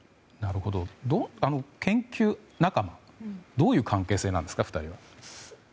研究仲間どういう関係性なんですか２人は。